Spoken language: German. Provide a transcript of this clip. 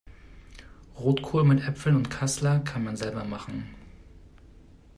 Rotkohl mit Äpfeln und Kassler kann man selber machen.